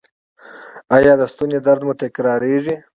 ایا د ستوني درد مو تکراریږي؟